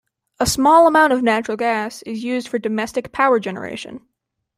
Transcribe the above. A small amount of natural gas is used for domestic power generation.